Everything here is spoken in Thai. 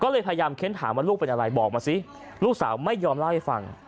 ลูกสาวไม่ยอมเล่าให้ฟัง